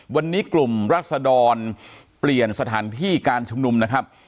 วันนี้กลุ่มรัศดรเปลี่ยนสถานที่การชุมนุมนะครับ